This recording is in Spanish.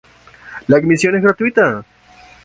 La admisión es gratuita.